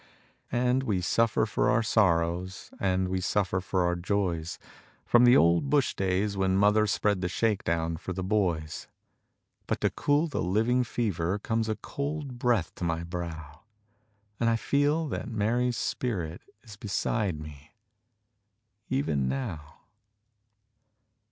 And we suffer for our sorrows, And we suffer for our joys, From the old bush days when mother Spread the shake down for the boys. But to cool the living fever, Comes a cold breath to my brow, And I feel that Mary's spirit Is beside me, even now.